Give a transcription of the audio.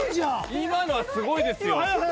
今のはすごいですよ！